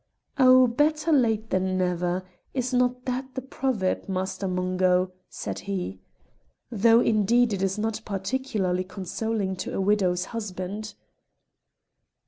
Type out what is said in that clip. "Oh! better late than never is not that the proverb, Master Mungo?" said he. "Though, indeed, it is not particularly consoling to a widow's husband."